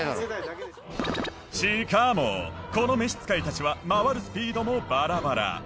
しかもこの召使いたちは回るスピードもバラバラ。